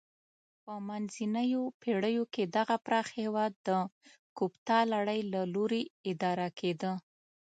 په منځنیو پیړیو کې دغه پراخ هېواد د کوپتا لړۍ له لوري اداره کېده.